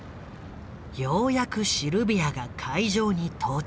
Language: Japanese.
ようやくシルビアが会場に到着。